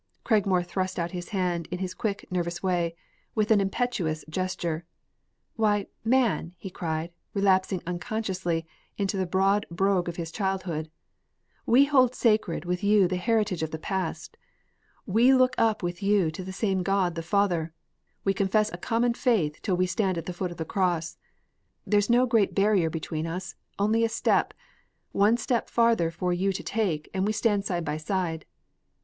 Cragmore thrust out his hand, in his quick, nervous way, with an impetuous gesture. "Why, man!" he cried, relapsing unconsciously into the broad brogue of his childhood, "we hold sacred with you the heritage of your past. We look up with you to the same God, the Father; we confess a common faith till we stand at the foot of the cross. There is no great barrier between us only a step one step farther for you to take, and we stand side by side!"